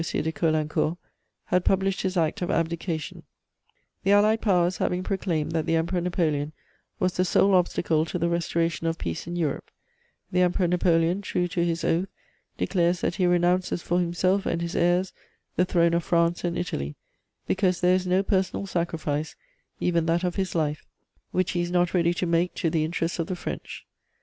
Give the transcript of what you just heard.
de Caulaincourt, had published his act of abdication: "The Allied Powers having proclaimed that the Emperor Napoleon was the sole obstacle to the restoration of peace in Europe, the Emperor Napoleon, true to his oath, declares that he renounces for himself and his heirs the throne of France and Italy, because there is no personal sacrifice, even that of his life, which he is not ready to make to the interests of the French."